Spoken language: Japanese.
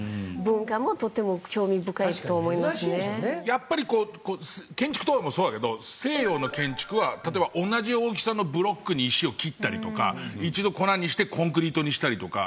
やっぱり建築とかもそうだけど西洋の建築は例えば同じ大きさのブロックに石を切ったりとか一度粉にしてコンクリートにしたりとか。